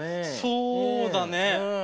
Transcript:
そうだね。